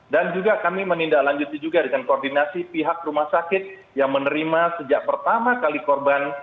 dan juga kami menindaklanjuti juga dengan koordinasi pihak rumah sakit yang menerima sejak pertama kali korban